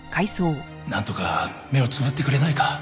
なんとか目をつぶってくれないか？